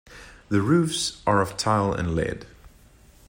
The roofs are of tile and lead.